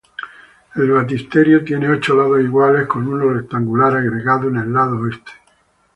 El baptisterio tiene ocho lados iguales con uno rectangular agregado en el lado oeste.